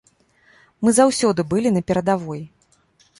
Мы заўсёды былі на перадавой.